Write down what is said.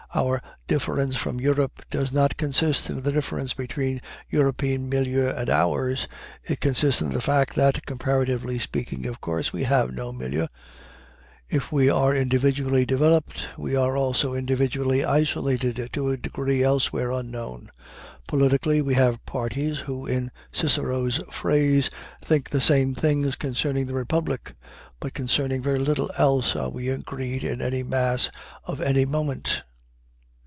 Our difference from Europe does not consist in the difference between the European milieu and ours; it consists in the fact that, comparatively speaking of course, we have no milieu. If we are individually developed, we are also individually isolated to a degree elsewhere unknown. Politically we have parties who, in Cicero's phrase, "think the same things concerning the republic," but concerning very little else are we agreed in any mass of any moment.